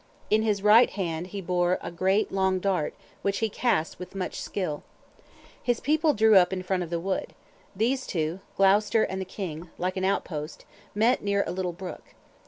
In his right hand he bore a great long dart, which he cast with much skill. His people drew up in front of the wood. These two (Gloucester and the King), like an out post, met near a little brook.